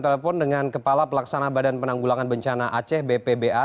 telepon dengan kepala pelaksana badan penanggulangan bencana aceh bpba